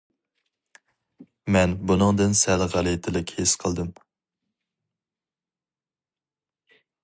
مەن بۇنىڭدىن سەل غەلىتىلىك ھېس قىلدىم.